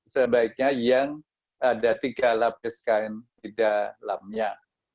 sebaiknya yang ada tiga lapis kain di dalamnya